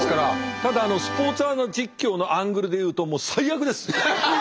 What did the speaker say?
ただスポーツアナ実況のアングルで言うともう最悪です。